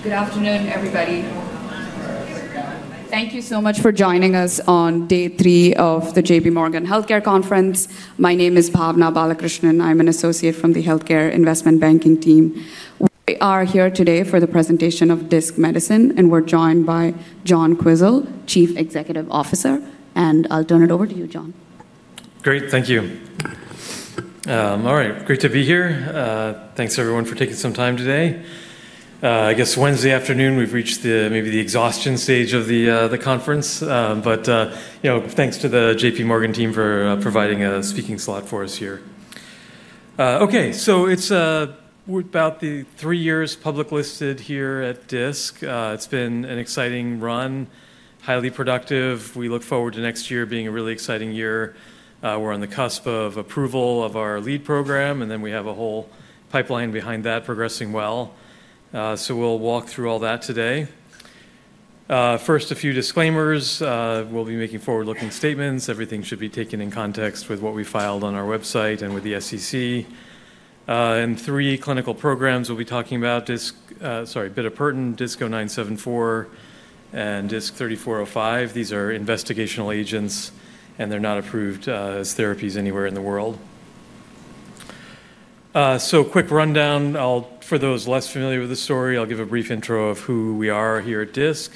Good afternoon, everybody. Thank you so much for joining us on day three of the JPMorgan Healthcare Conference. My name is Bhavana Balakrishnan. I'm an Associate from the Healthcare Investment Banking team. We are here today for the presentation of Disc Medicine, and we're joined by John Quisel, Chief Executive Officer. I'll turn it over to you, John. Great. Thank you. All right. Great to be here. Thanks, everyone, for taking some time today. I guess Wednesday afternoon, we've reached maybe the exhaustion stage of the conference. But thanks to the JPMorgan team for providing a speaking slot for us here. Okay. So it's about three years publicly listed here at Disc. It's been an exciting run, highly productive. We look forward to next year being a really exciting year. We're on the cusp of approval of our lead program, and then we have a whole pipeline behind that progressing well. So we'll walk through all that today. First, a few disclaimers. We'll be making forward-looking statements. Everything should be taken in context with what we filed on our website and with the SEC. Three clinical programs we'll be talking about: sorry, bitopertin, DISC-0974, and DISC-3405. These are investigational agents, and they're not approved as therapies anywhere in the world, so quick rundown. For those less familiar with the story, I'll give a brief intro of who we are here at Disc,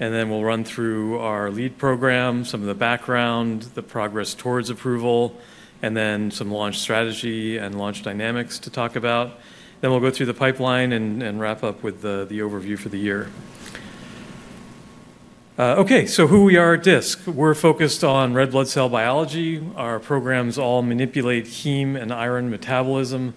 and then we'll run through our lead program, some of the background, the progress towards approval, and then some launch strategy and launch dynamics to talk about, then we'll go through the pipeline and wrap up with the overview for the year. Okay, so who we are at Disc. We're focused on red blood cell biology. Our programs all manipulate heme and iron metabolism.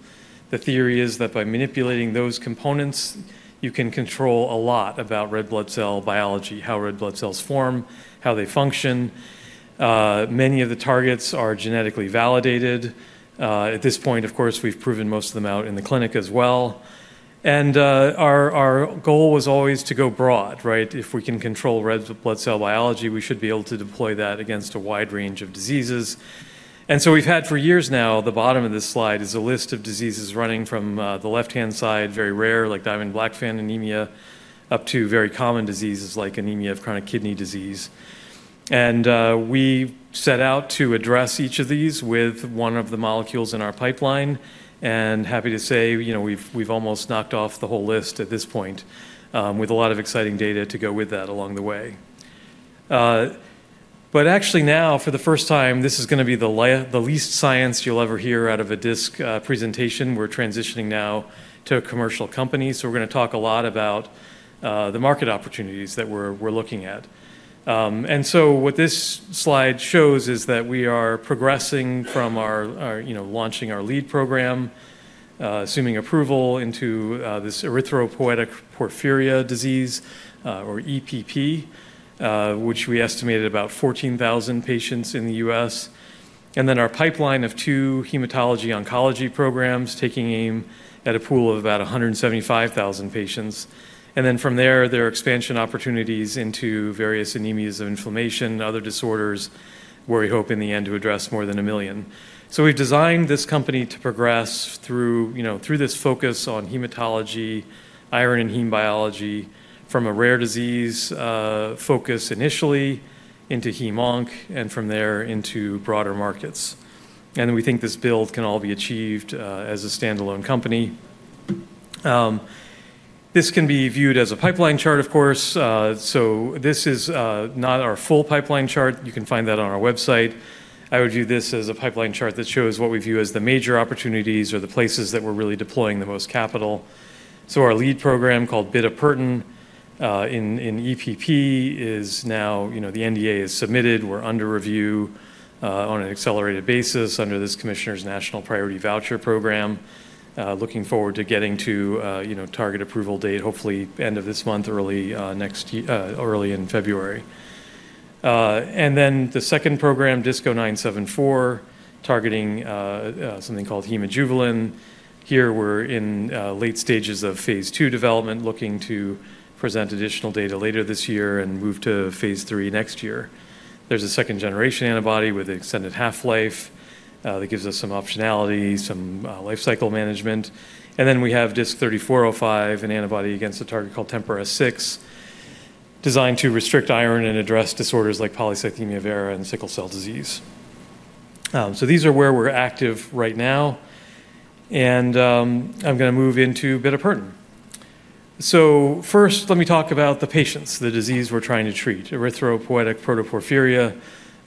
The theory is that by manipulating those components, you can control a lot about red blood cell biology, how red blood cells form, how they function. Many of the targets are genetically validated. At this point, of course, we've proven most of them out in the clinic as well. And our goal was always to go broad, right? If we can control red blood cell biology, we should be able to deploy that against a wide range of diseases. And so we've had for years now, the bottom of this slide is a list of diseases running from the left-hand side, very rare like Diamond-Blackfan anemia, up to very common diseases like anemia of chronic kidney disease. And we set out to address each of these with one of the molecules in our pipeline. And happy to say we've almost knocked off the whole list at this point, with a lot of exciting data to go with that along the way. But actually now, for the first time, this is going to be the least science you'll ever hear out of a Disc presentation. We're transitioning now to a commercial company. We're going to talk a lot about the market opportunities that we're looking at. What this slide shows is that we are progressing from launching our lead program, assuming approval, into this erythropoietic protoporphyria disease, or EPP, which we estimated about 14,000 patients in the U.S. Our pipeline of two hematology-oncology programs taking aim at a pool of about 175,000 patients. From there, there are expansion opportunities into various anemias of inflammation, other disorders, where we hope in the end to address more than a million. We've designed this company to progress through this focus on hematology, iron, and heme biology from a rare disease focus initially into heme-onc, and from there into broader markets. We think this build can all be achieved as a standalone company. This can be viewed as a pipeline chart, of course. This is not our full pipeline chart. You can find that on our website. I would view this as a pipeline chart that shows what we view as the major opportunities or the places that we're really deploying the most capital. Our lead program called bitopertin in EPP is now the NDA is submitted. We're under review on an accelerated basis under this Commissioner's National Priority Voucher program, looking forward to getting to target approval date, hopefully end of this month, early in February. Then the second program, DISC-0974, targeting something called hemojuvelin. Here, we're in late stages of phase II development, looking to present additional data later this year and move to phase III next year. There's a second-generation antibody with an extended half-life that gives us some optionality, some life cycle management. And then we have DISC-3405, an antibody against a target called TMPRSS6, designed to restrict iron and address disorders like polycythemia vera and sickle cell disease. So these are where we're active right now. And I'm going to move into bitopertin. So first, let me talk about the patients, the disease we're trying to treat, erythropoietic protoporphyria,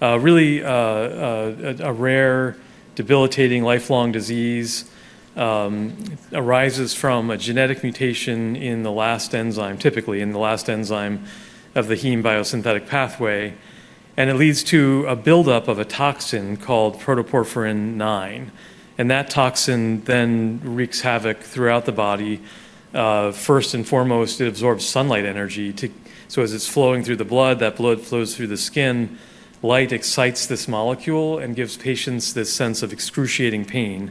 really a rare, debilitating, lifelong disease. It arises from a genetic mutation in the last enzyme, typically in the last enzyme of the heme biosynthetic pathway. And it leads to a buildup of a toxin called protoporphyrin IX. And that toxin then wreaks havoc throughout the body. First and foremost, it absorbs sunlight energy. So as it's flowing through the blood, that blood flows through the skin. Light excites this molecule and gives patients this sense of excruciating pain,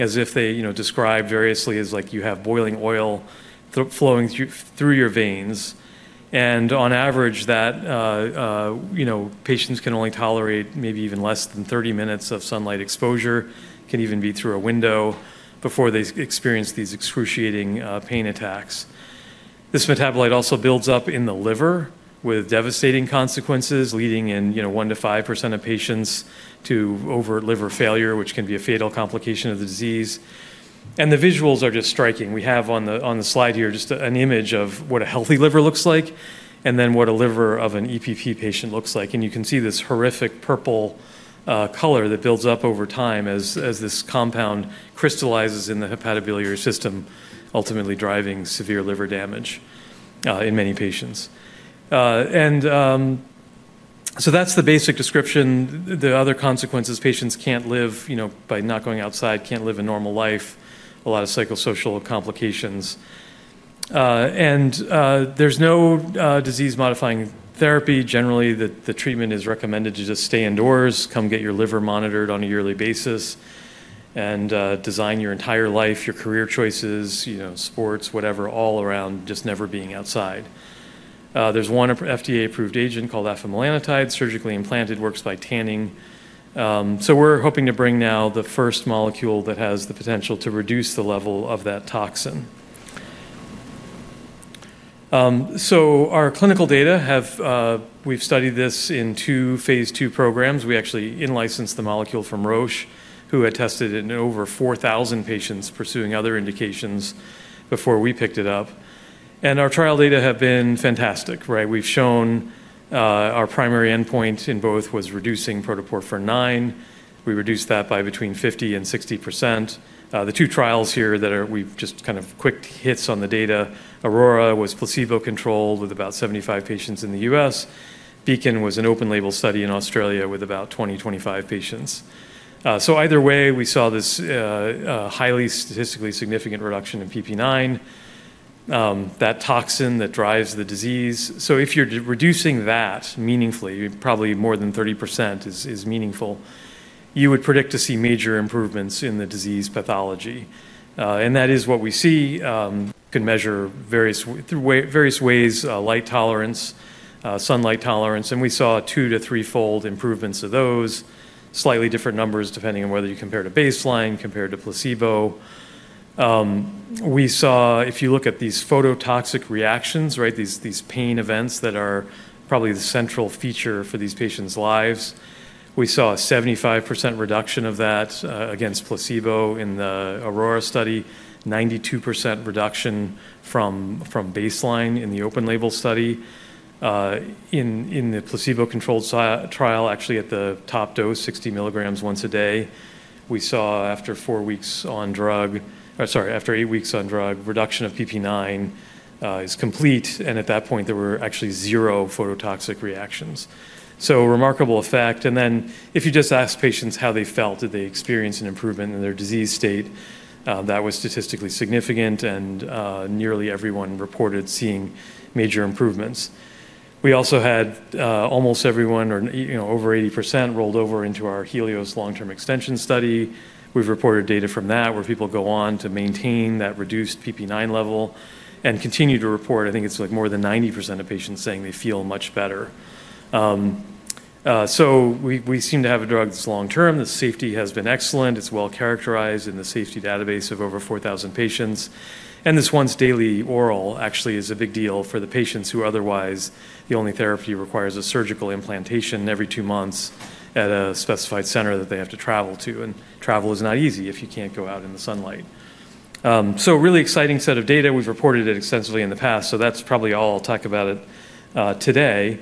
as if they describe variously as like you have boiling oil flowing through your veins. On average, patients can only tolerate maybe even less than 30 minutes of sunlight exposure, can even be through a window before they experience these excruciating pain attacks. This metabolite also builds up in the liver with devastating consequences, leading in 1%-5% of patients to overt liver failure, which can be a fatal complication of the disease. And the visuals are just striking. We have on the slide here just an image of what a healthy liver looks like, and then what a liver of an EPP patient looks like. And you can see this horrific purple color that builds up over time as this compound crystallizes in the hepatobiliary system, ultimately driving severe liver damage in many patients. And so that's the basic description. The other consequences, patients can't live by not going outside, can't live a normal life, a lot of psychosocial complications. There's no disease-modifying therapy. Generally, the treatment is recommended to just stay indoors, come get your liver monitored on a yearly basis, and design your entire life, your career choices, sports, whatever, all around, just never being outside. There's one FDA-approved agent called afamelanotide, surgically implanted, works by tanning. We're hoping to bring now the first molecule that has the potential to reduce the level of that toxin. Our clinical data, we've studied this in two phase II programs. We actually in-licensed the molecule from Roche, who had tested it in over 4,000 patients pursuing other indications before we picked it up. Our trial data have been fantastic, right? We've shown our primary endpoint in both was reducing protoporphyrin IX. We reduced that by between 50% and 60%. The two trials here that we've just kind of quick hits on the data, AURORA was placebo-controlled with about 75 patients in the U.S. BEACON was an open-label study in Australia with about 20, 25 patients, so either way, we saw this highly statistically significant reduction in PPIX, that toxin that drives the disease. So if you're reducing that meaningfully, probably more than 30% is meaningful, you would predict to see major improvements in the disease pathology, and that is what we see. Can measure various ways, light tolerance, sunlight tolerance, and we saw two to threefold improvements of those, slightly different numbers depending on whether you compare to baseline, compared to placebo. We saw, if you look at these phototoxic reactions, right, these pain events that are probably the central feature for these patients' lives, we saw a 75% reduction of that against placebo in the AURORA study, 92% reduction from baseline in the open-label study. In the placebo-controlled trial, actually at the top dose, 60 mg once a day, we saw after four weeks on drug, or sorry, after eight weeks on drug, reduction of PPIX is complete, and at that point, there were actually zero phototoxic reactions, so remarkable effect, and then if you just ask patients how they felt, did they experience an improvement in their disease state, that was statistically significant, and nearly everyone reported seeing major improvements. We also had almost everyone, or over 80%, rolled over into our HELIOS long-term extension study. We've reported data from that where people go on to maintain that reduced PPIX level and continue to report, I think it's like more than 90% of patients saying they feel much better. So we seem to have a drug that's long-term. The safety has been excellent. It's well-characterized in the safety database of over 4,000 patients. And this once-daily oral actually is a big deal for the patients who otherwise the only therapy requires a surgical implantation every two months at a specified center that they have to travel to. And travel is not easy if you can't go out in the sunlight. So really exciting set of data. We've reported it extensively in the past. So that's probably all I'll talk about today.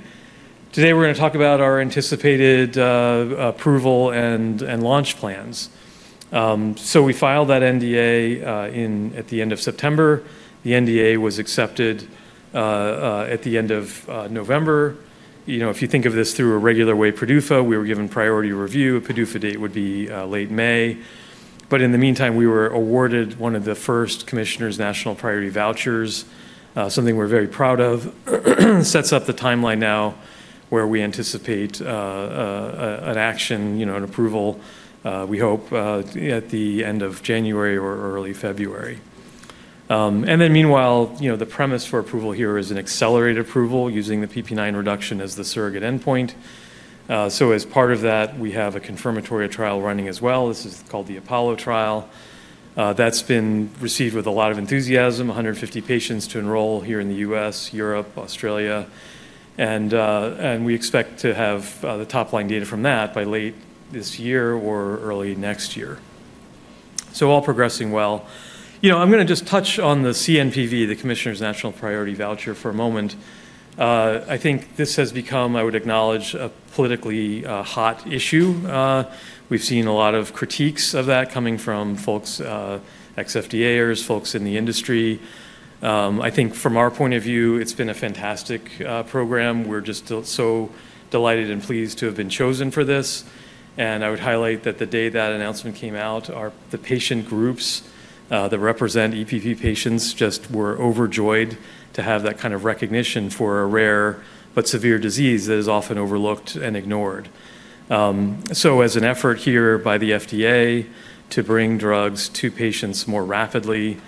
Today, we're going to talk about our anticipated approval and launch plans. So we filed that NDA at the end of September. The NDA was accepted at the end of November. If you think of this through a regular way PDUFA, we were given priority review. A PDUFA date would be late May. But in the meantime, we were awarded one of the first Commissioner's National Priority Vouchers, something we're very proud of. Sets up the timeline now where we anticipate an action, an approval, we hope, at the end of January or early February. And then meanwhile, the premise for approval here is an accelerated approval using the PPIX reduction as the surrogate endpoint. So as part of that, we have a confirmatory trial running as well. This is called the APOLLO trial. That's been received with a lot of enthusiasm, 150 patients to enroll here in the U.S., Europe, Australia. And we expect to have the top-line data from that by late this year or early next year. All progressing well. I'm going to just touch on the CNPV, the Commissioner's National Priority Voucher, for a moment. I think this has become, I would acknowledge, a politically hot issue. We've seen a lot of critiques of that coming from folks, ex-FDAers, folks in the industry. I think from our point of view, it's been a fantastic program. We're just so delighted and pleased to have been chosen for this. And I would highlight that the day that announcement came out, the patient groups that represent EPP patients just were overjoyed to have that kind of recognition for a rare but severe disease that is often overlooked and ignored. As an effort here by the FDA to bring drugs to patients more rapidly,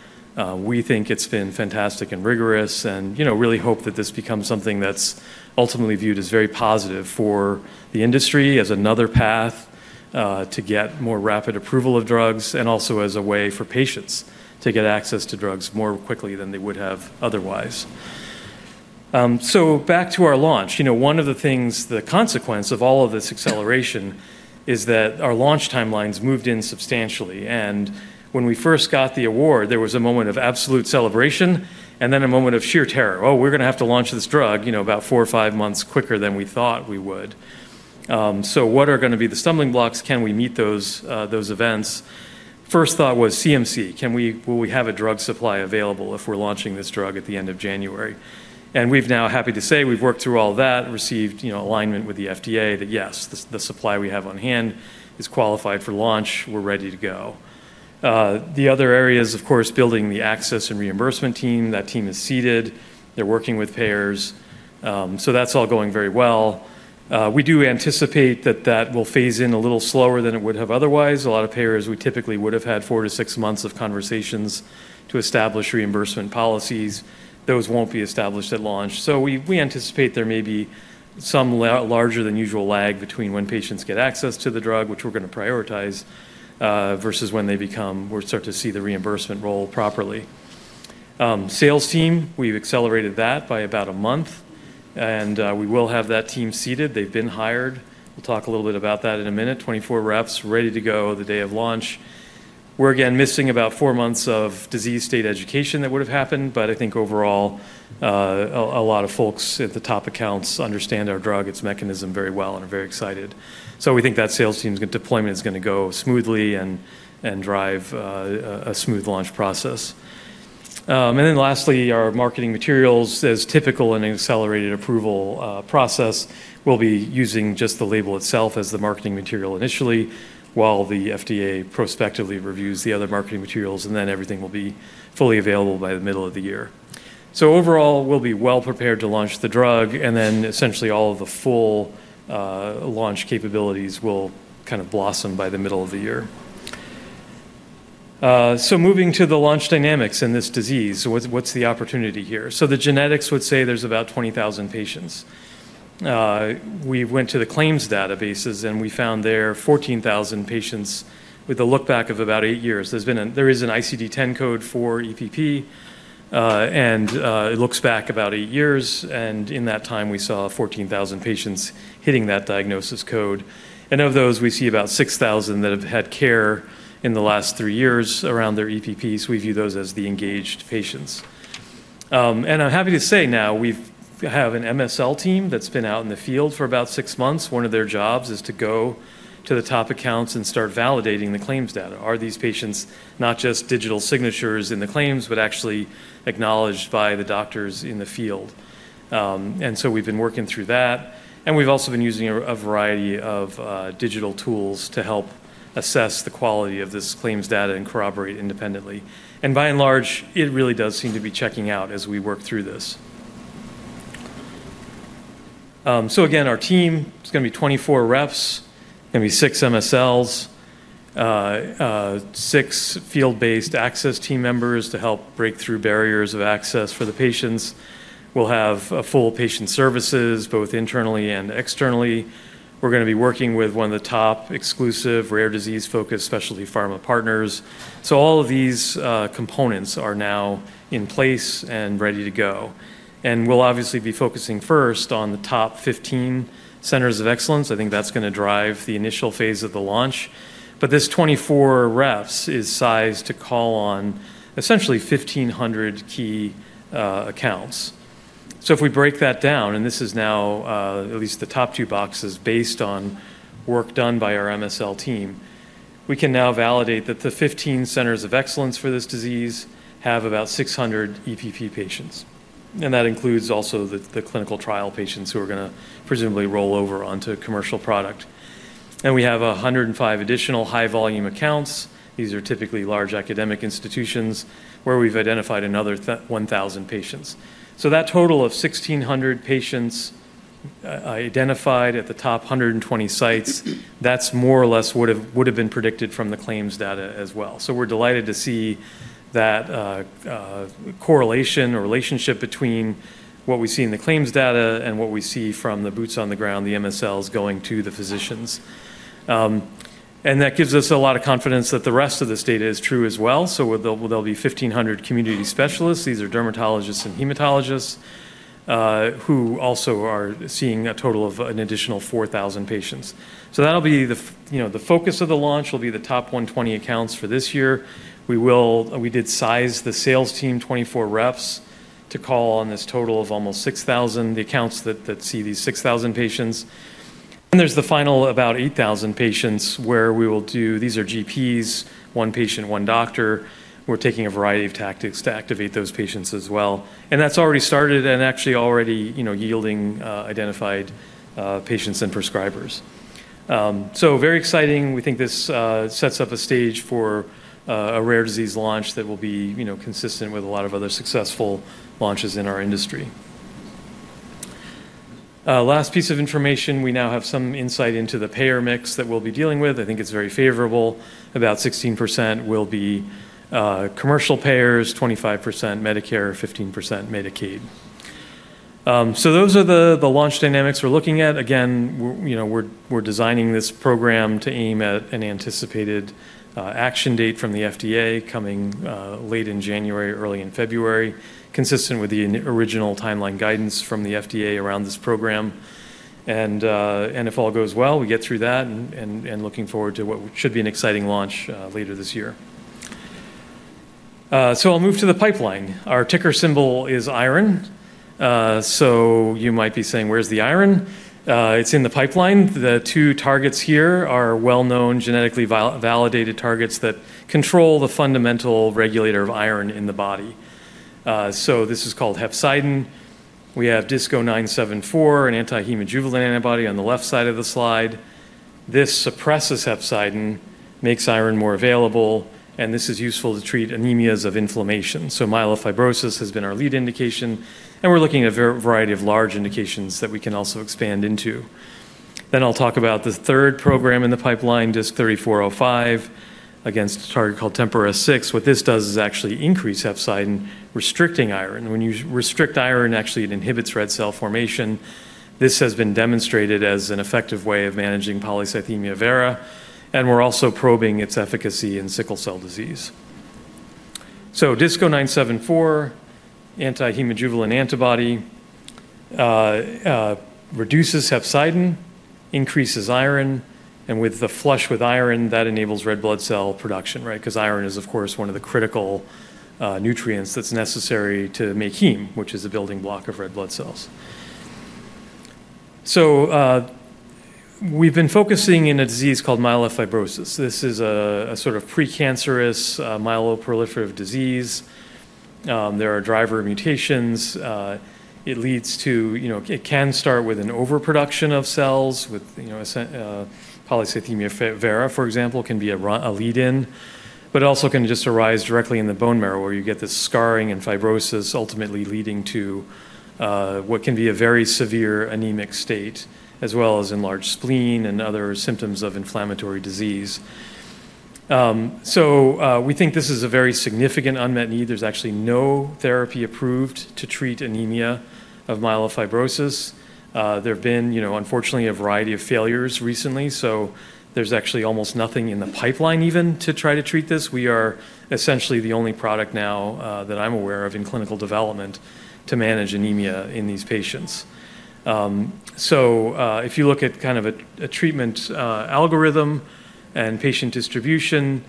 we think it's been fantastic and rigorous and really hope that this becomes something that's ultimately viewed as very positive for the industry as another path to get more rapid approval of drugs and also as a way for patients to get access to drugs more quickly than they would have otherwise. So back to our launch. One of the things, the consequence of all of this acceleration is that our launch timelines moved in substantially. And when we first got the award, there was a moment of absolute celebration and then a moment of sheer terror. Oh, we're going to have to launch this drug about four or five months quicker than we thought we would. So what are going to be the stumbling blocks? Can we meet those events? First thought was CMC. Can we have a drug supply available if we're launching this drug at the end of January? And we've now, happy to say, we've worked through all that, received alignment with the FDA that yes, the supply we have on hand is qualified for launch. We're ready to go. The other area is, of course, building the access and reimbursement team. That team is seated. They're working with payers. So that's all going very well. We do anticipate that that will phase in a little slower than it would have otherwise. A lot of payers, we typically would have had four-to-six months of conversations to establish reimbursement policies. Those won't be established at launch. So we anticipate there may be some larger than usual lag between when patients get access to the drug, which we're going to prioritize, versus when they start to see the reimbursement roll properly. Sales team, we've accelerated that by about a month, and we will have that team seated. They've been hired. We'll talk a little bit about that in a minute. 24 reps ready to go the day of launch. We're again missing about four months of disease state education that would have happened, but I think overall, a lot of folks at the top accounts understand our drug, its mechanism very well, and are very excited, so we think that sales team's deployment is going to go smoothly and drive a smooth launch process, and then lastly, our marketing materials, as typical in an accelerated approval process, we'll be using just the label itself as the marketing material initially, while the FDA prospectively reviews the other marketing materials, and then everything will be fully available by the middle of the year, so overall, we'll be well prepared to launch the drug. And then essentially all of the full launch capabilities will kind of blossom by the middle of the year. So moving to the launch dynamics in this disease, what's the opportunity here? So the genetics would say there's about 20,000 patients. We went to the claims databases, and we found there are 14,000 patients with a lookback of about eight years. There is an ICD-10 code for EPP, and it looks back about eight years. And in that time, we saw 14,000 patients hitting that diagnosis code. And of those, we see about 6,000 that have had care in the last three years around their EPPs. We view those as the engaged patients. And I'm happy to say now we have an MSL team that's been out in the field for about six months. One of their jobs is to go to the top accounts and start validating the claims data. Are these patients not just digital signatures in the claims, but actually acknowledged by the doctors in the field? And so we've been working through that. And we've also been using a variety of digital tools to help assess the quality of this claims data and corroborate independently. And by and large, it really does seem to be checking out as we work through this. So again, our team, it's going to be 24 reps, going to be six MSLs, six field-based access team members to help break through barriers of access for the patients. We'll have full patient services, both internally and externally. We're going to be working with one of the top exclusive rare disease-focused specialty pharma partners. So all of these components are now in place and ready to go. And we'll obviously be focusing first on the top 15 centers of excellence. I think that's going to drive the initial phase of the launch. But this 24 reps is sized to call on essentially 1,500 key accounts. So if we break that down, and this is now at least the top two boxes based on work done by our MSL team, we can now validate that the 15 centers of excellence for this disease have about 600 EPP patients. And that includes also the clinical trial patients who are going to presumably roll over onto commercial product. And we have 105 additional high-volume accounts. These are typically large academic institutions where we've identified another 1,000 patients. So that total of 1,600 patients identified at the top 120 sites, that's more or less what would have been predicted from the claims data as well. We're delighted to see that correlation or relationship between what we see in the claims data and what we see from the boots on the ground, the MSLs going to the physicians. And that gives us a lot of confidence that the rest of this data is true as well. There'll be 1,500 community specialists. These are dermatologists and hematologists who also are seeing a total of an additional 4,000 patients. That'll be the focus of the launch. It'll be the top 120 accounts for this year. We did size the sales team, 24 reps, to call on this total of almost 6,000, the accounts that see these 6,000 patients. And there's the final about 8,000 patients where we will do, these are GPs, one patient, one doctor. We're taking a variety of tactics to activate those patients as well. That's already started and actually already yielding identified patients and prescribers. So very exciting. We think this sets up a stage for a rare disease launch that will be consistent with a lot of other successful launches in our industry. Last piece of information, we now have some insight into the payer mix that we'll be dealing with. I think it's very favorable. About 16% will be commercial payers, 25% Medicare, 15% Medicaid. So those are the launch dynamics we're looking at. Again, we're designing this program to aim at an anticipated action date from the FDA coming late in January, early in February, consistent with the original timeline guidance from the FDA around this program. If all goes well, we get through that and looking forward to what should be an exciting launch later this year. I'll move to the pipeline. Our ticker symbol is iron. You might be saying, "Where's the iron?" It's in the pipeline. The two targets here are well-known genetically validated targets that control the fundamental regulator of iron in the body. This is called hepcidin. We have DISC-0974, an anti-hemojuvelin antibody on the left side of the slide. This suppresses hepcidin, makes iron more available, and this is useful to treat anemias of inflammation. Myelofibrosis has been our lead indication. We're looking at a variety of large indications that we can also expand into. I'll talk about the third program in the pipeline, DISC-3405, against a target called TMPRSS6. What this does is actually increase hepcidin, restricting iron. When you restrict iron, actually it inhibits red cell formation. This has been demonstrated as an effective way of managing polycythemia vera. We're also probing its efficacy in sickle cell disease. So DISC-0974, anti-hemojuvelin antibody, reduces hepcidin, increases iron. And with the flush with iron, that enables red blood cell production, right? Because iron is, of course, one of the critical nutrients that's necessary to make heme, which is a building block of red blood cells. So we've been focusing in a disease called myelofibrosis. This is a sort of precancerous myeloproliferative disease. There are driver mutations. It leads to, it can start with an overproduction of cells with polycythemia vera, for example, can be a lead-in. But it also can just arise directly in the bone marrow where you get this scarring and fibrosis, ultimately leading to what can be a very severe anemic state, as well as enlarged spleen and other symptoms of inflammatory disease. So we think this is a very significant unmet need. There's actually no therapy approved to treat anemia of myelofibrosis. There have been, unfortunately, a variety of failures recently. So there's actually almost nothing in the pipeline even to try to treat this. We are essentially the only product now that I'm aware of in clinical development to manage anemia in these patients. So if you look at kind of a treatment algorithm and patient distribution,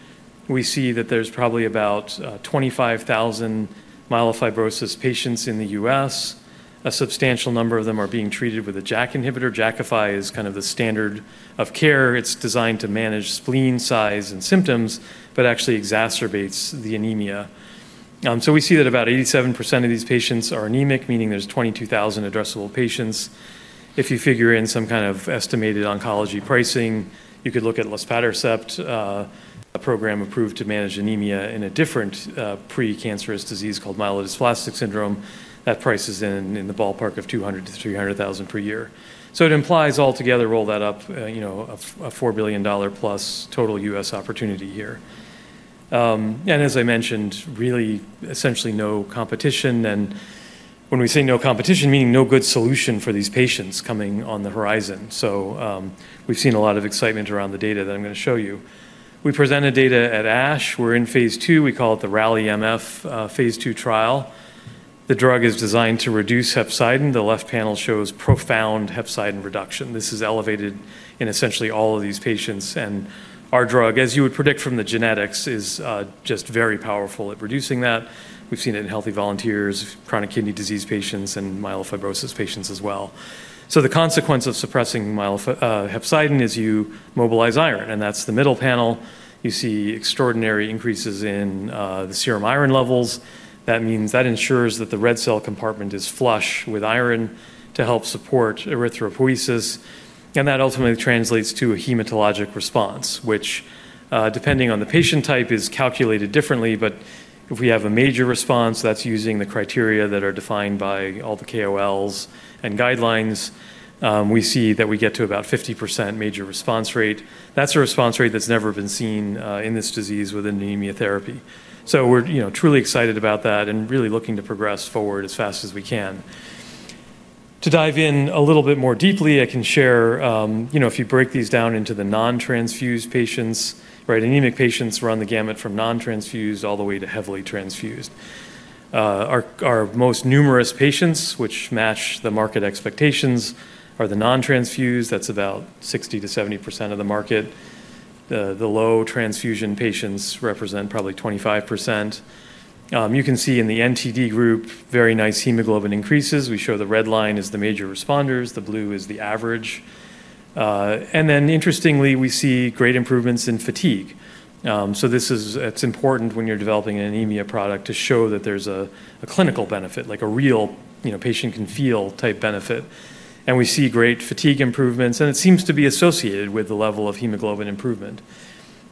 we see that there's probably about 25,000 myelofibrosis patients in the U.S. A substantial number of them are being treated with a JAK inhibitor. Jakafi is kind of the standard of care. It's designed to manage spleen size and symptoms, but actually exacerbates the anemia. So we see that about 87% of these patients are anemic, meaning there's 22,000 addressable patients. If you figure in some kind of estimated oncology pricing, you could look at luspatercept, a program approved to manage anemia in a different precancerous disease called myelodysplastic syndrome that prices in the ballpark of $200,000-$300,000 per year. So it implies altogether, roll that up, a $4 billion+ total U.S. opportunity here. And as I mentioned, really essentially no competition. And when we say no competition, meaning no good solution for these patients coming on the horizon. So we've seen a lot of excitement around the data that I'm going to show you. We presented data at ASH. We're in phase II. We call it the RALLY-MF phase II trial. The drug is designed to reduce hepcidin. The left panel shows profound hepcidin reduction. This is elevated in essentially all of these patients. Our drug, as you would predict from the genetics, is just very powerful at reducing that. We've seen it in healthy volunteers, chronic kidney disease patients, and myelofibrosis patients as well. The consequence of suppressing hepcidin is you mobilize iron. That's the middle panel. You see extraordinary increases in the serum iron levels. That means that ensures that the red cell compartment is flush with iron to help support erythropoiesis. That ultimately translates to a hematologic response, which, depending on the patient type, is calculated differently. If we have a major response, that's using the criteria that are defined by all the KOLs and guidelines. We see that we get to about 50% major response rate. That's a response rate that's never been seen in this disease within anemia therapy. So we're truly excited about that and really looking to progress forward as fast as we can. To dive in a little bit more deeply, I can share, if you break these down into the non-transfused patients, right? Anemic patients run the gamut from non-transfused all the way to heavily transfused. Our most numerous patients, which match the market expectations, are the non-transfused. That's about 60%-70% of the market. The low transfusion patients represent probably 25%. You can see in the NTD group, very nice hemoglobin increases. We show the red line is the major responders. The blue is the average. And then interestingly, we see great improvements in fatigue. So this is, it's important when you're developing an anemia product to show that there's a clinical benefit, like a real patient can feel type benefit. And we see great fatigue improvements. It seems to be associated with the level of hemoglobin improvement.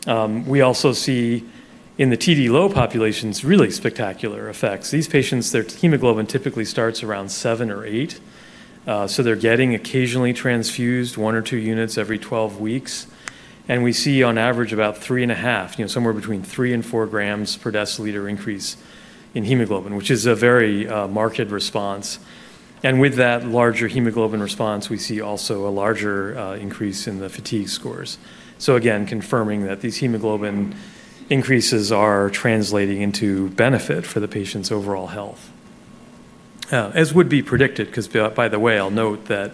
We also see in the TD low populations really spectacular effects. These patients, their hemoglobin typically starts around seven or eight. So they're getting occasionally transfused one or two units every 12 weeks. And we see on average about three and a half, somewhere between three and four grams per deciliter increase in hemoglobin, which is a very marked response. And with that larger hemoglobin response, we see also a larger increase in the fatigue scores. So again, confirming that these hemoglobin increases are translating into benefit for the patient's overall health, as would be predicted. Because by the way, I'll note that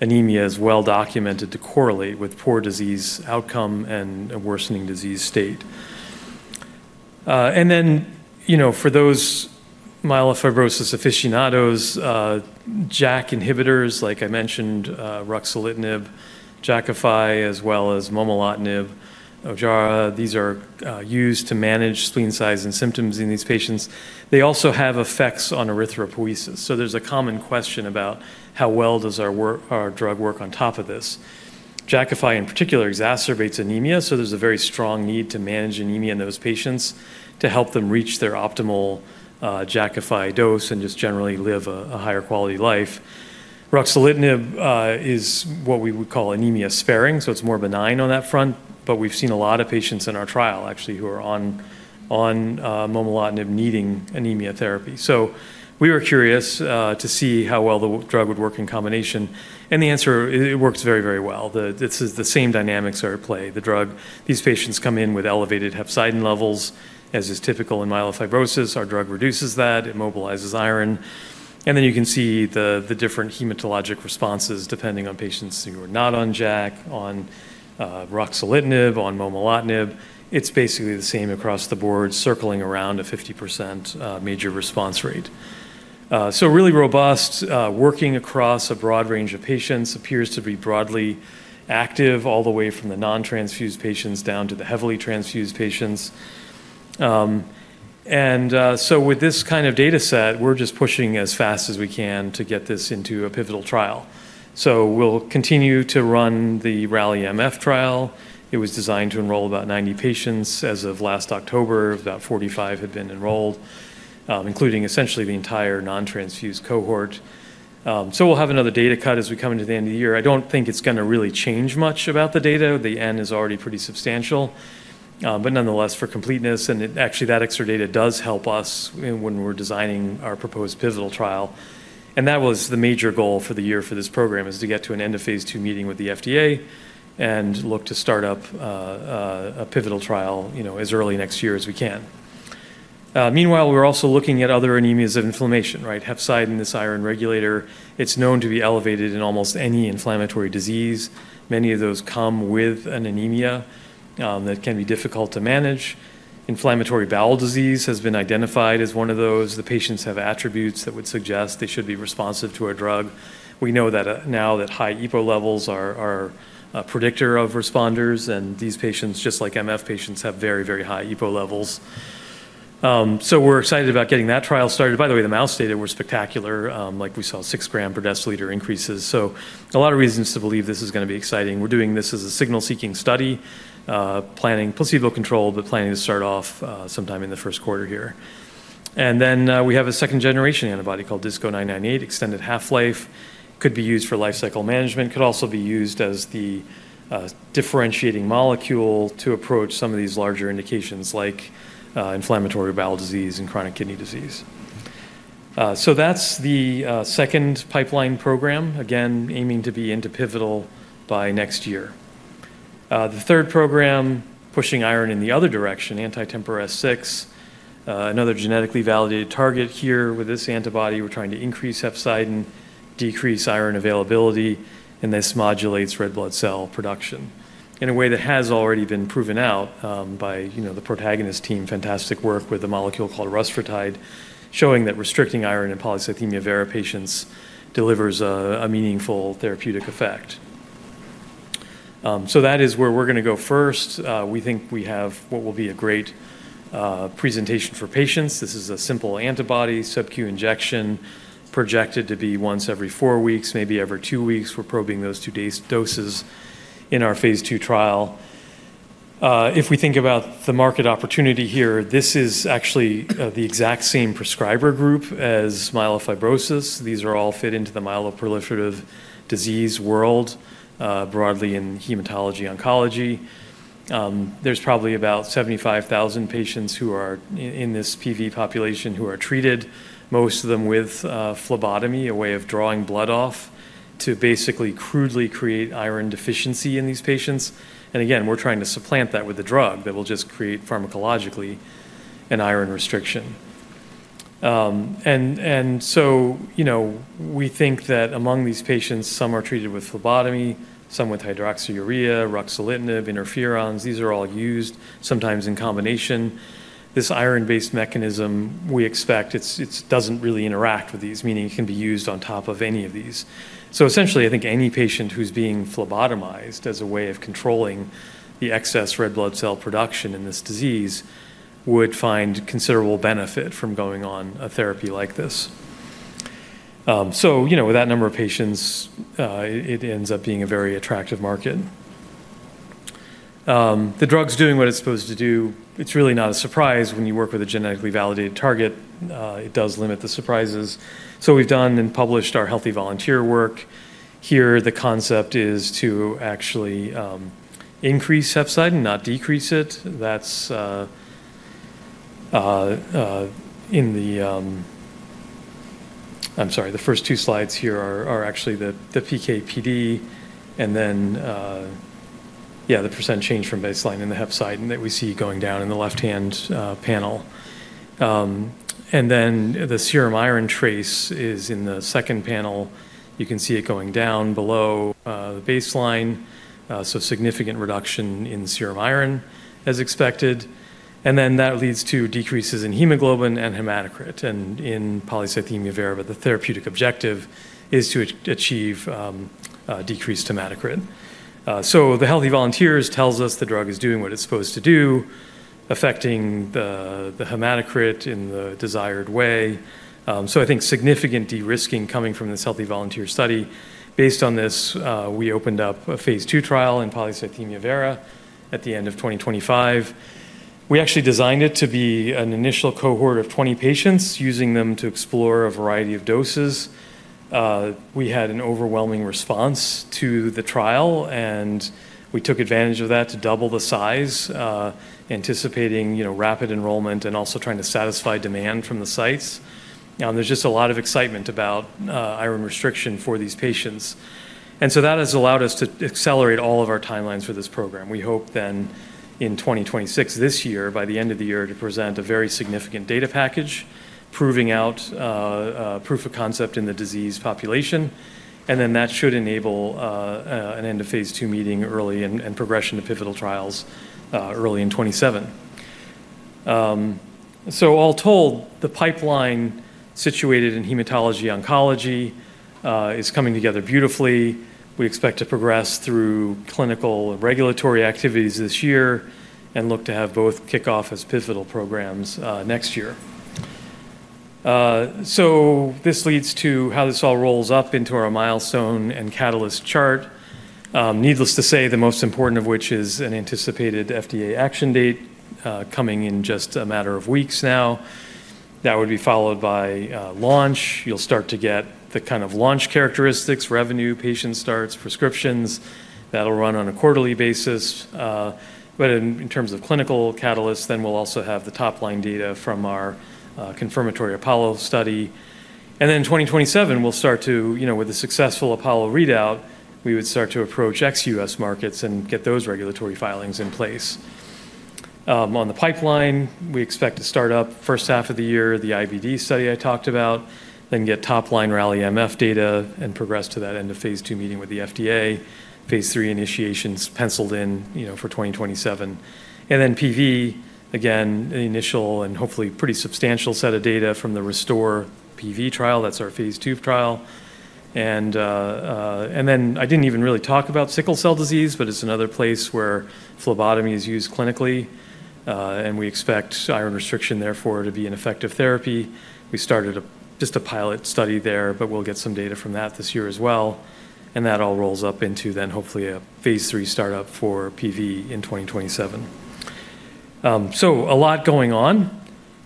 anemia is well documented to correlate with poor disease outcome and a worsening disease state. And then for those myelofibrosis aficionados, JAK inhibitors, like I mentioned, ruxolitinib, Jakafi, as well as momalotinib, Ojara, these are used to manage spleen size and symptoms in these patients. They also have effects on erythropoiesis. So there's a common question about how well does our drug work on top of this. Jakafi, in particular, exacerbates anemia. So there's a very strong need to manage anemia in those patients to help them reach their optimal Jakafi dose and just generally live a higher quality life. Ruxolitinib is what we would call anemia sparing. So it's more benign on that front. But we've seen a lot of patients in our trial, actually, who are on momalotinib needing anemia therapy. So we were curious to see how well the drug would work in combination. And the answer, it works very, very well. This is the same dynamics are at play. The drug, these patients come in with elevated hepcidin levels, as is typical in myelofibrosis. Our drug reduces that. It mobilizes iron, and then you can see the different hematologic responses depending on patients who are not on JAK, on ruxolitinib, on momalotinib. It's basically the same across the board, circling around a 50% major response rate, so really robust, working across a broad range of patients, appears to be broadly active all the way from the non-transfused patients down to the heavily transfused patients, and so with this kind of data set, we're just pushing as fast as we can to get this into a pivotal trial, so we'll continue to run the RALLY-MF trial. It was designed to enroll about 90 patients. As of last October, about 45 had been enrolled, including essentially the entire non-transfused cohort. We'll have another data cut as we come into the end of the year. I don't think it's going to really change much about the data. The end is already pretty substantial. Nonetheless, for completeness, and actually that extra data does help us when we're designing our proposed pivotal trial. That was the major goal for the year for this program, is to get to an end of phase II meeting with the FDA and look to start up a pivotal trial as early next year as we can. Meanwhile, we're also looking at other anemias of inflammation, right? Hepcidin, this iron regulator, it's known to be elevated in almost any inflammatory disease. Many of those come with an anemia that can be difficult to manage. Inflammatory bowel disease has been identified as one of those. The patients have attributes that would suggest they should be responsive to our drug. We know now that high EPO levels are a predictor of responders, and these patients, just like MF patients, have very, very high EPO levels, so we're excited about getting that trial started. By the way, the mouse data were spectacular, like we saw six gram per deciliter increases, so a lot of reasons to believe this is going to be exciting. We're doing this as a signal-seeking study, planning placebo control, but planning to start off sometime in the first quarter here, and then we have a second-generation antibody called DISC-0998, extended half-life. Could be used for life cycle management. Could also be used as the differentiating molecule to approach some of these larger indications like inflammatory bowel disease and chronic kidney disease. So that's the second pipeline program, again, aiming to be into pivotal by next year. The third program, pushing iron in the other direction, anti-TMPRSS6, another genetically validated target here with this antibody. We're trying to increase hepcidin, decrease iron availability, and this modulates red blood cell production in a way that has already been proven out by the Protagonist team, fantastic work with a molecule called rusfertide, showing that restricting iron in polycythemia vera patients delivers a meaningful therapeutic effect. So that is where we're going to go first. We think we have what will be a great presentation for patients. This is a simple antibody subq injection projected to be once every four weeks, maybe every two weeks. We're probing those two doses in our phase II trial. If we think about the market opportunity here, this is actually the exact same prescriber group as myelofibrosis. These all fit into the myeloproliferative disease world broadly in hematology-oncology. There's probably about 75,000 patients who are in this PV population who are treated, most of them with phlebotomy, a way of drawing blood off to basically crudely create iron deficiency in these patients, and again, we're trying to supplant that with a drug that will just create pharmacologically an iron restriction, and so we think that among these patients, some are treated with phlebotomy, some with hydroxyurea, ruxolitinib, interferons. These are all used sometimes in combination. This iron-based mechanism, we expect, it doesn't really interact with these, meaning it can be used on top of any of these. So essentially, I think any patient who's being phlebotomized as a way of controlling the excess red blood cell production in this disease would find considerable benefit from going on a therapy like this. So with that number of patients, it ends up being a very attractive market. The drug's doing what it's supposed to do. It's really not a surprise when you work with a genetically validated target. It does limit the surprises. So we've done and published our healthy volunteer work here. The concept is to actually increase hepcidin, not decrease it. I'm sorry, the first two slides here are actually the PKPD and then, yeah, the percent change from baseline in the hepcidin that we see going down in the left-hand panel. And then the serum iron trace is in the second panel. You can see it going down below the baseline. So significant reduction in serum iron as expected. And then that leads to decreases in hemoglobin and hematocrit. And in polycythemia vera, the therapeutic objective is to achieve decreased hematocrit. The healthy volunteers tells us the drug is doing what it's supposed to do, affecting the hematocrit in the desired way. So I think significant de-risking coming from this healthy volunteer study. Based on this, we opened up a phase II trial in polycythemia vera at the end of 2025. We actually designed it to be an initial cohort of 20 patients using them to explore a variety of doses. We had an overwhelming response to the trial, and we took advantage of that to double the size, anticipating rapid enrollment and also trying to satisfy demand from the sites. There's just a lot of excitement about iron restriction for these patients. And so that has allowed us to accelerate all of our timelines for this program. We hope then in 2026, this year, by the end of the year, to present a very significant data package, proving out proof of concept in the disease population. And then that should enable an end of phase II meeting early and progression to pivotal trials early in 2027. So all told, the pipeline situated in hematology-oncology is coming together beautifully. We expect to progress through clinical and regulatory activities this year and look to have both kick off as pivotal programs next year. So this leads to how this all rolls up into our milestone and catalyst chart. Needless to say, the most important of which is an anticipated FDA action date coming in just a matter of weeks now. That would be followed by launch. You'll start to get the kind of launch characteristics, revenue, patient starts, prescriptions. That'll run on a quarterly basis. But in terms of clinical catalysts, then we'll also have the top-line data from our confirmatory APOLLO study, and then in 2027, we'll start to, with a successful APOLLO readout, we would start to approach ex-U.S. markets and get those regulatory filings in place. On the pipeline, we expect to start up first half of the year, the IBD study I talked about, then get top-line RALLY-MF data and progress to that end of phase II meeting with the FDA, phase III initiations penciled in for 2027, and then PV, again, the initial and hopefully pretty substantial set of data from the RESTORE-PV trial. That's our phase II trial, and then I didn't even really talk about sickle cell disease, but it's another place where phlebotomy is used clinically, and we expect iron restriction therefore to be an effective therapy. We started just a pilot study there, but we'll get some data from that this year as well and that all rolls up into then hopefully a phase III startup for PV in 2027, so a lot going on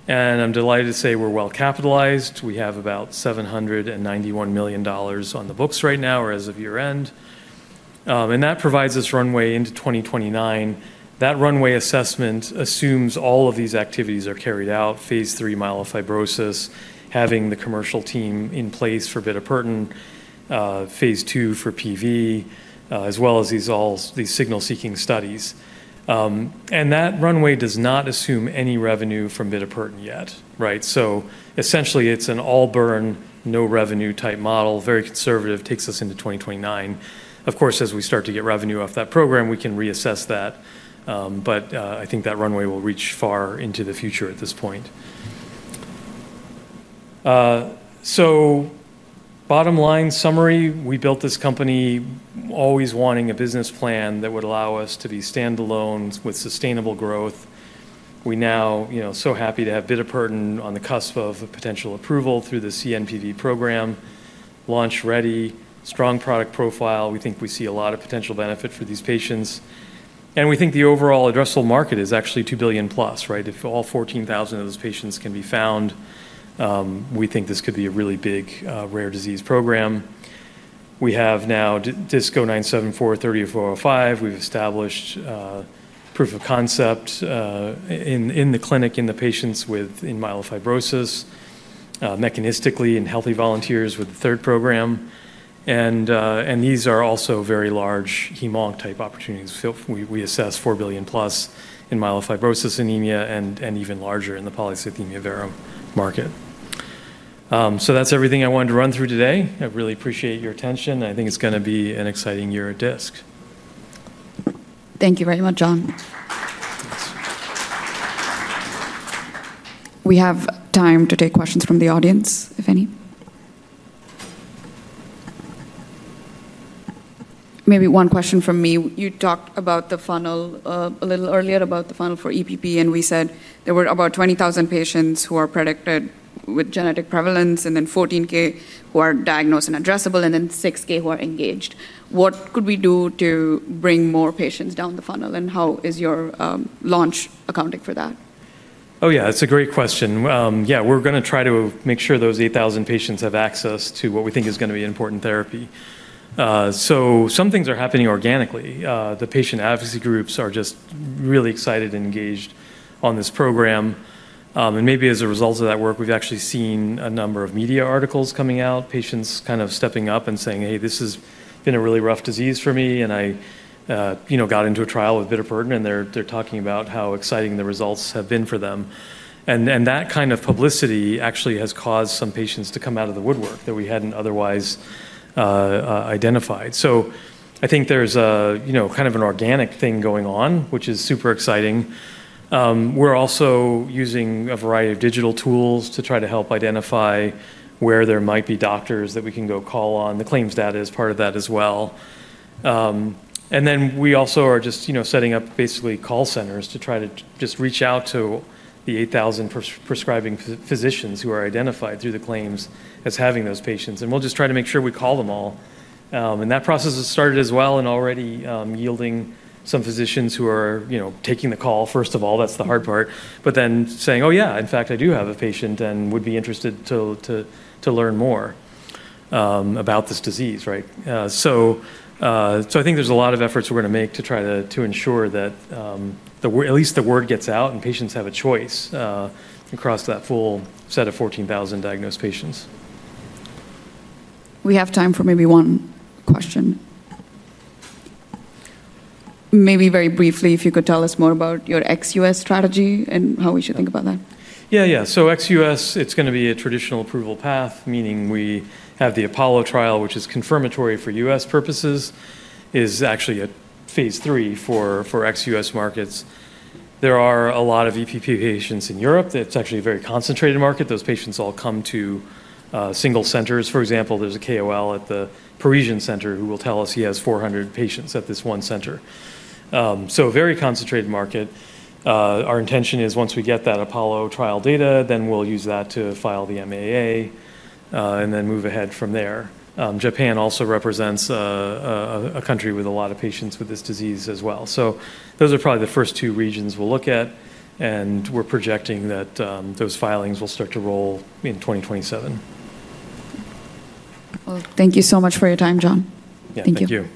and I'm delighted to say we're well capitalized. We have about $791 million on the books right now or as of year-end and that provides us runway into 2029. That runway assessment assumes all of these activities are carried out, phase III myelofibrosis, having the commercial team in place for bitopertin, phase II for PV, as well as these signal-seeking studies and that runway does not assume any revenue from bitopertin yet, right? So essentially, it's an all-burn, no revenue type model, very conservative, takes us into 2029. Of course, as we start to get revenue off that program, we can reassess that. But I think that runway will reach far into the future at this point. So bottom line summary, we built this company always wanting a business plan that would allow us to be standalone with sustainable growth. We now are so happy to have bitopertin on the cusp of potential approval through the CNPV program, launch ready, strong product profile. We think we see a lot of potential benefit for these patients. And we think the overall addressable market is actually $2 billion+, right? If all 14,000 of those patients can be found, we think this could be a really big rare disease program. We have now DISC-0974, DISC-0998, DISC-3405. We've established proof of concept in the clinic, in the patients with myelofibrosis, mechanistically in healthy volunteers with the third program. And these are also very large hem-onc type opportunities. We assess $4 billion+ in myelofibrosis anemia and even larger in the polycythemia vera market. So that's everything I wanted to run through today. I really appreciate your attention. I think it's going to be an exciting year at DISC. Thank you very much, John. We have time to take questions from the audience, if any. Maybe one question from me. You talked about the funnel a little earlier, about the funnel for EPP, and we said there were about 20,000 patients who are predicted with genetic prevalence and then 14K who are diagnosed and addressable, and then 6K who are engaged. What could we do to bring more patients down the funnel? And how is your launch accounting for that? Oh, yeah, that's a great question. Yeah, we're going to try to make sure those 8,000 patients have access to what we think is going to be important therapy. So some things are happening organically. The patient advocacy groups are just really excited and engaged on this program. And maybe as a result of that work, we've actually seen a number of media articles coming out, patients kind of stepping up and saying, "Hey, this has been a really rough disease for me, and I got into a trial with bitopertin," and they're talking about how exciting the results have been for them. And that kind of publicity actually has caused some patients to come out of the woodwork that we hadn't otherwise identified. So I think there's kind of an organic thing going on, which is super exciting. We're also using a variety of digital tools to try to help identify where there might be doctors that we can go call on. The claims data is part of that as well. And then we also are just setting up basically call centers to try to just reach out to the 8,000 prescribing physicians who are identified through the claims as having those patients. And we'll just try to make sure we call them all. And that process has started as well and already yielding some physicians who are taking the call. First of all, that's the hard part, but then saying, "Oh, yeah, in fact, I do have a patient and would be interested to learn more about this disease," right? So I think there's a lot of efforts we're going to make to try to ensure that at least the word gets out and patients have a choice across that full set of 14,000 diagnosed patients. We have time for maybe one question. Maybe very briefly, if you could tell us more about your ex-U.S. strategy and how we should think about that. Yeah, yeah. So ex-U.S., it's going to be a traditional approval path, meaning we have the APOLLO trial, which is confirmatory for U.S. purposes, is actually a phase III for ex-U.S. markets. There are a lot of EPP patients in Europe. It's actually a very concentrated market. Those patients all come to single centers. For example, there's a KOL at the Parisian Center who will tell us he has 400 patients at this one center. So very concentrated market. Our intention is once we get that APOLLO trial data, then we'll use that to file the MAA and then move ahead from there. Japan also represents a country with a lot of patients with this disease as well. So those are probably the first two regions we'll look at, and we're projecting that those filings will start to roll in 2027. Thank you so much for your time, John. Yeah, thank you.